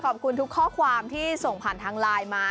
ขอบคุณทุกข้อความที่ส่งผ่านทางไลน์มา